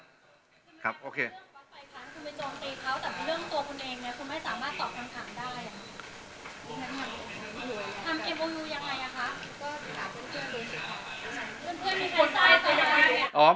มีเรื่องฝัดไฟพันธุ์คุณไปโจมตีเขาแต่ถ้าเป็นตัวคุณเองคุณไม่สามารถตอบคำถามได้